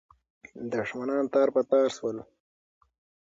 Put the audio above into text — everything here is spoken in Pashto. دښمنان تار په تار سول.